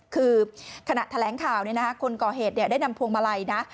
คือขณะแถลงข่าวเนี่ยนะคะคนก่อเหตุเนี่ยได้นำพวงมาลัยนะ